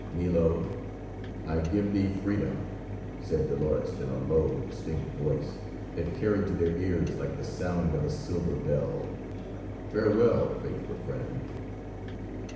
"Milo, I give thee freedom!" said Dolores in a low, distinct voice that carried to their ears like the sound of a silver bell. "Farewell, faithful friend!"